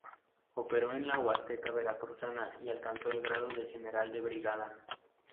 Operó en la Huasteca veracruzana y alcanzó el grado de general de brigada.